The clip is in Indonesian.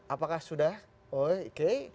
apakah sudah oke